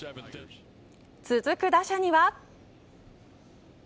続く打者には。